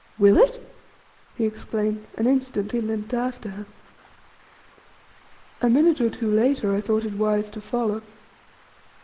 "Will it?" he exclaimed, and instantly limped after her. A minute or two later I thought it wise to follow.